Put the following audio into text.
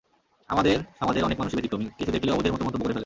আমাদের সমাজের অনেক মানুষই ব্যতিক্রমী কিছু দেখলে অবুঝের মতো মন্তব্য করে ফেলে।